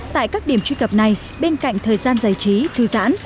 tại các điểm truy cập này bên cạnh thời gian giải trí thư giãn